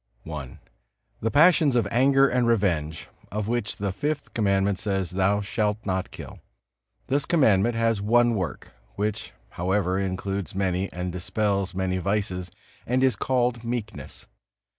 I. The passions of anger and revenge, of which the Fifth Commandment says, "Thou shalt not kill." This Commandment has one work, which however includes many and dispels many vices, and is called meekness.